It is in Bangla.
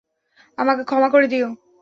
আমাকে ক্ষমা করে দিও।